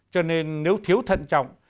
cho nên nếu thiếu thận trọng